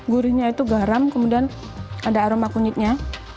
gurihnya itu garam kemudian ada aroma kunyitnya